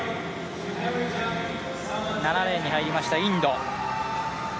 ７レーンに入りましたインド。